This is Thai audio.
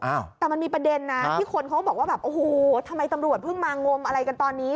แต่มันมีประเด็นที่คนเขาบอกว่าทำไมตำรวจเพิ่งมางมอะไรกันตอนนี้